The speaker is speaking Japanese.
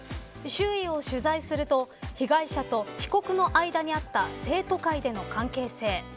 周囲を取材すると被害者と被告の間にあった生徒会での関係性。